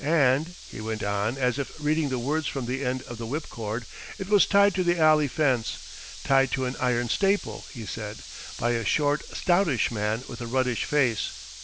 And," he went on, as if reading the words from the end of the whipcord, "it was tied to the alley fence. Tied to an iron staple," he said, "by a short, stoutish man with a ruddish face."